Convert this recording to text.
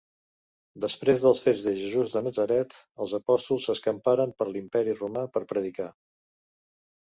Després dels fets de Jesús de Natzaret, els apòstols s'escamparen per l'Imperi Romà per predicar.